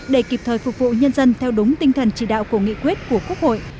để kịp thời phục vụ nhân dân theo đúng tinh thần chỉ đạo của nghị quyết của quốc hội